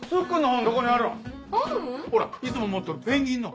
本？ほらいつも持っとるペンギンの。